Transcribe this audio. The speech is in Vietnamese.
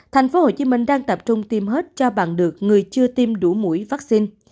thành phố hồ chí minh đang tập trung tiêm hết cho bằng được người chưa tiêm đủ mũi vaccine